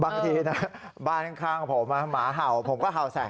บางทีนะบ้านข้างผมหมาเห่าผมก็เห่าใส่